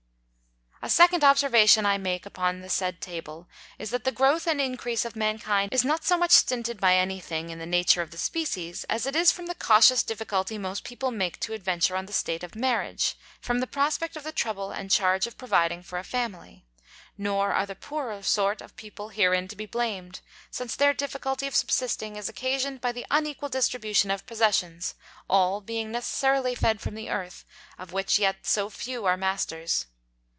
A second Observation I make upon the said Table, is that the Growth and Increase of Mankind is not so much stinted by any thing in the Nature of the Species, as it is from the cautious difficulty most People make to adventure on the State of Marriage, from the Prospect of the Trouble and Charge of providing for a Family. Nor are the poorer sort of People herein to be blamed, since their difficulty of subsisting is occasion'd by the unequal Distribution of Possessions, all being necessarily fed from the Earth, of which yet so few are Masters.